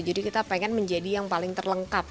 jadi kita pengen menjadi yang paling terlengkap